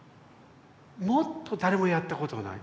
もっと誰もやったことがない。